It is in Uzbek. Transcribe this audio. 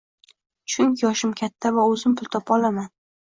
chunki yoshim katta va o‘zim pul topa olaman.